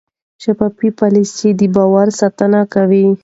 شفاف پالیسي د باور ساتنه کوي.